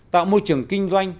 tạo môi trường kinh doanh